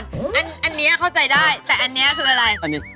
ไม่เดี๋ยวก่อนอันเนี้ยเข้าใจได้แต่อันเนี้ยคืออะไร